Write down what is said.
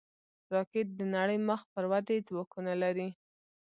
راکټ د نړۍ مخ پر ودې ځواکونه لري